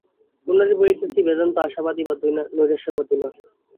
পুনরায় বলিতেছি, বেদান্ত আশাবাদী বা নৈরাশ্যবাদী নহে।